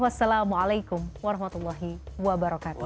wassalamualaikum warahmatullahi wabarakatuh